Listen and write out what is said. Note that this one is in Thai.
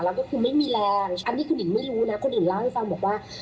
แล้วก็คือไม่มีแรงอันนี้คุณหญิงไม่รู้นะคนอื่นเล่าให้ฟังบอกว่า